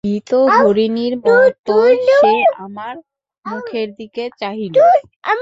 ভীত হরিণীর মতো সে আমার মুখের দিকে চাহিল।